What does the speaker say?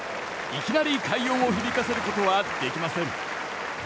いきなり快音を響かせることはできません。